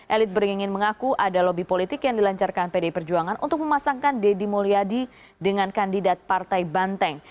elit beringin mengaku ada lobby politik yang dilancarkan pdi perjuangan untuk memasangkan deddy mulyadi dengan kandidat partai banteng